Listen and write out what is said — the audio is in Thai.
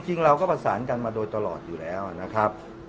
จริงเราก็ประสานกันมาโดยตลอดอยู่แล้วนะครับ